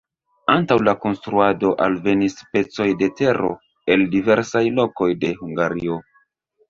Antaŭ la konstruado alvenis pecoj de tero el diversaj lokoj de Hungario.